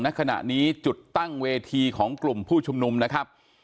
ณขณะนี้จุดตั้งเวทีของกลุ่มผู้ชุมนุมนะครับ